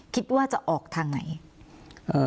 คิดว่าจะออกทางไหน